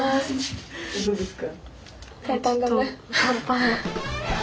どうですか？